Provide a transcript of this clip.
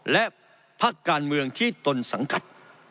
และพักการเมืองที่ตนสังกัด